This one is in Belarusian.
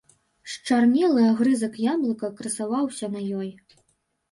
Счарнелы агрызак яблыка красаваўся на ёй.